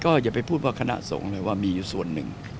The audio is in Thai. อย่าไปพูดว่าคณะสงฆ์เลยว่ามีอยู่ส่วนหนึ่ง